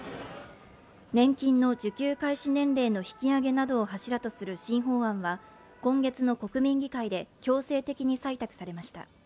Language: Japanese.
年金の受給開始年齢の引き上げなどを柱とする新法案は今月の国民議会で強制的に採択されました。